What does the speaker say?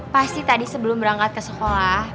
pasti tadi sebelum berangkat ke sekolah